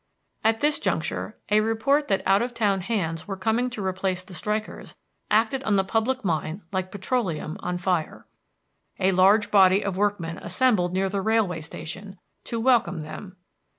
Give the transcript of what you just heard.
At this juncture a report that out of town hands were coming to replace the strikers acted on the public mind like petroleum on fire. A large body of workmen assembled near the railway station, to welcome them.